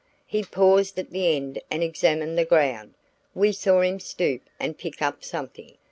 He paused at the end and examined the ground. We saw him stoop and pick up something.